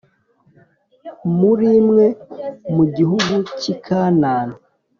muri mwe mu gihugu cy i Kanani